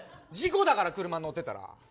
事故だから、車に乗ってたら。